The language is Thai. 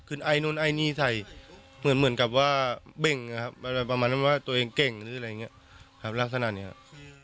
ไอ้นู่นไอ้นี่ใส่เหมือนกับว่าเบ่งนะครับประมาณนั้นว่าตัวเองเก่งหรืออะไรอย่างนี้ครับลักษณะนี้ครับ